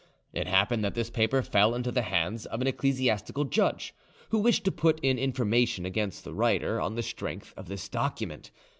It happened that this paper fell into the hands of an ecclesiastical judge, who wished to put in information against the writer on the strength of this document.